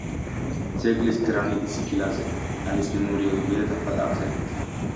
ძეგლის გრანიტის ფილაზე არის მემორიალური დაფა წარწერით.